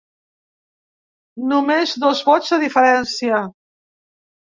Només dos vots de diferència.